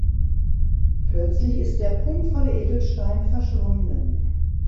Plötzlich ist der prunkvolle Edelstein verschwunden.